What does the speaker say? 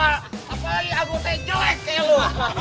apalagi agusnya jelek kayak lu